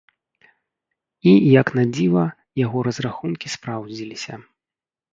І, як надзіва, яго разрахункі спраўдзіліся.